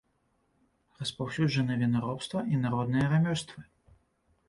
Распаўсюджаны вінаробства і народныя рамёствы.